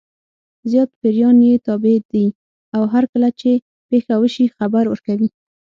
زیات پیریان یې تابع دي او هرکله چې پېښه وشي خبر ورکوي.